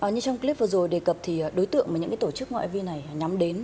như trong clip vừa rồi đề cập thì đối tượng mà những tổ chức ngoại vi này nhắm đến